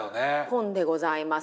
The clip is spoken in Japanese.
ポンでございます。